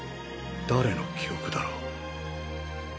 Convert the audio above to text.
誰の記憶だろう？